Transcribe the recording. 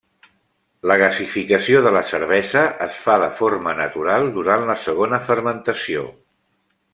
La gasificació de la cervesa es fa de forma natural durant la segona fermentació.